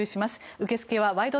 受け付けは「ワイド！